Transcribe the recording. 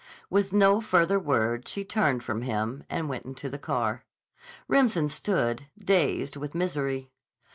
With no further word she turned from him and went into the car. Remsen stood, dazed with misery.